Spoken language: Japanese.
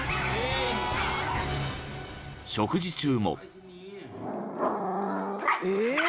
［食事中も］